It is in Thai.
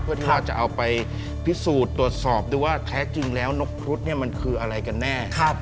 เพื่อที่ว่าจะเอาไปพิสูจน์ตรวจสอบดูว่าแท้จริงแล้วนกครุฑมันคืออะไรกันแน่